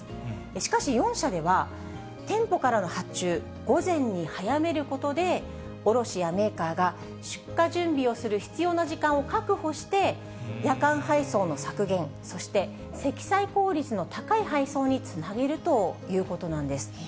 しかし、４社では、店舗からの発注、午前に早めることで、卸やメーカーが出荷準備をする必要な時間を確保して、夜間配送の削減、そして積載効率の高い配送につなげるということなんです。